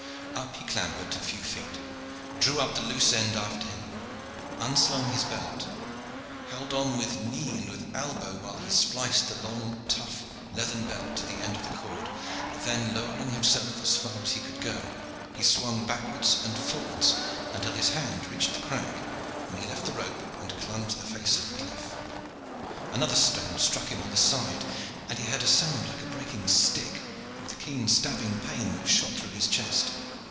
Up he clambered a few feet, drew up the loose end after him, unslung his belt, held on with knee and with elbow while he spliced the long, tough leathern belt to the end of the cord: then lowering himself as far as he could go, he swung backwards and forwards until his hand reached the crack, when he left the rope and clung to the face of the cliff. Another stone struck him on the side, and he heard a sound like a breaking stick, with a keen stabbing pain which shot through his chest.